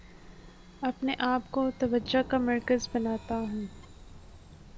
اپنے آپ کو توجہ کا مرکز بناتا ہوں